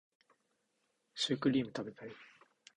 シュークリーム食べたい